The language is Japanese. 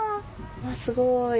すごい。